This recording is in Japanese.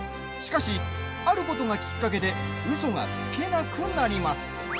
しかし、あることがきっかけでうそがつけなくなります。